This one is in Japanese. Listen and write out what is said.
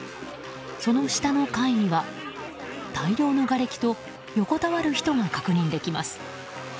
その下の階には、大量のがれきと横たわる人が確認できます。